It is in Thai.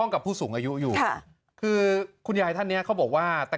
กับผู้สูงอายุอยู่ค่ะคือคุณยายท่านเนี้ยเขาบอกว่าแต่